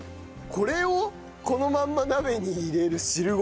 これをこのまんま鍋に入れる汁ごと。